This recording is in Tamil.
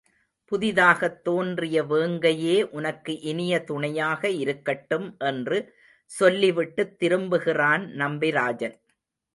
புதிதாகத் தோன்றிய வேங்கையே உனக்கு இனிய துணையாக இருக்கட்டும் என்று சொல்லிவிட்டுத் திரும்பு கிறான் நம்பிராஜன்.